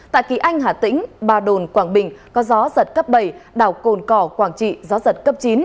tại kỳ anh hà tĩnh ba đồn quảng bình có gió giật cấp bảy đảo cồn cỏ quảng trị gió giật cấp chín